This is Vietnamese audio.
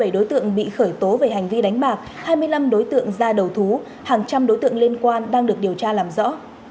bảy đối tượng bị khởi tố về hành vi đánh bạc hai mươi năm đối tượng ra đầu thú hàng trăm đối tượng liên quan đang được điều tra làm rõ